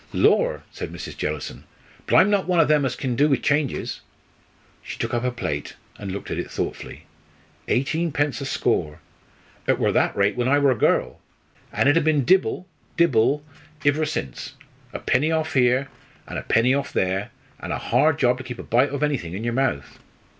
"Lor'!" said Mrs. Jellison. "But I'm not one o' them as kin do with changes." She took up her plait and looked at it thoughtfully. "Eighteen pence a score. It wor that rate when I wor a girl. An' it ha' been dibble dibble iver sense; a penny off here, an' a penny off there, an' a hard job to keep a bite ov anythink in your mouth."